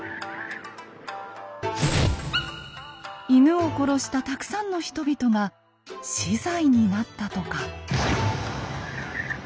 犬を殺したたくさんの人々が死罪になったとか。